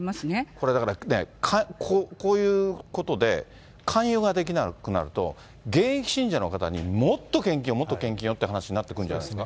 これだからね、こういうことで、勧誘ができなくなると、現役信者の方にもっと献金を、もっと献金をって話になってくるんじゃないですか。